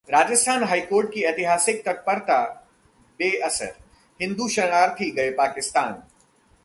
Rajasthan high court की ऐतिहासिक तत्परता बेअसर, हिंदू शरणार्थी गए पाकिस्तान